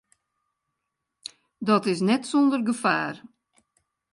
Dat is net sûnder gefaar.